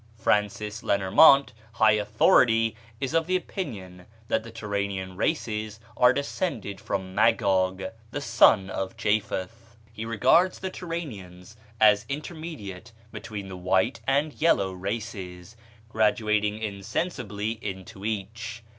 Francis Lenormant, high authority, is of the opinion that the Turanian races are descended from Magog, the son of Japheth. He regards the Turanians as intermediate between the white and yellow races, graduating insensibly into each.